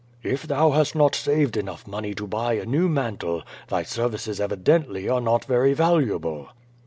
"If thou hast not saved enough money to buy a new man tle, thy services evidently are not very valuable."